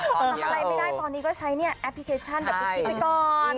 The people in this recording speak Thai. ทำอะไรไม่ได้ตอนนี้ก็ใช้แอปพลิเคชันแบบนี้ไปก่อน